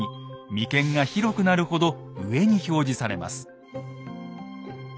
眉間が広くなるほど上に表示されます。